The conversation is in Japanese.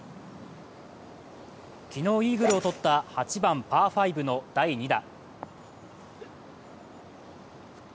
昨日、イーグルをとった８番パー５の第２打。